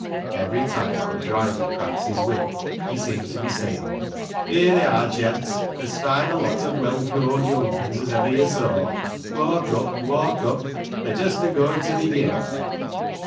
Every time our driver cracks his whip he seems to be " saying, " 'Ere they are, gents, as fine a lot of well growed young uns as ever you saw. Walk up, walk up ; they're just a going to begin."